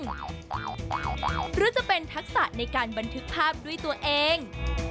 หรือจะเป็นทักษะในการบันทึกภาพด้วยตัวเอง